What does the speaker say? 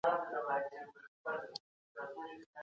هغه به سبا د اخلاص په اړه وينا کوي.